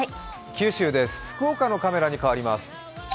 九州です、福岡のカメラに替わります。